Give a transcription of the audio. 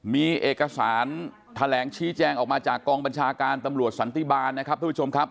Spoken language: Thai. มีเอกสารแถลงชี้แจงออกมาจากกองบัญชาการตำรวจสันติบาลนะครับทุกผู้ชมครับ